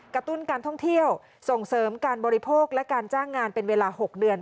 ตุ้นการท่องเที่ยวส่งเสริมการบริโภคและการจ้างงานเป็นเวลา๖เดือน